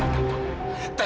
tes ini harus dikutuk